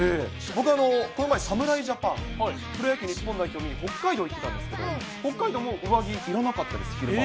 僕、この前、侍ジャパン、プロ野球日本代表を見に北海道行ってきたんですけど、北海道も上着いらなかったです、昼間は。